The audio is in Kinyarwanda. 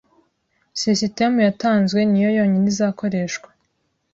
Sisitemu yatazwe niyo yonyine izakoreshwa